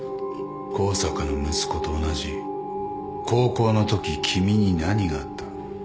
向坂の息子と同じ高校のとき君に何があった？